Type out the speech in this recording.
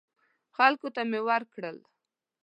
خلکو ته مې ورکړل.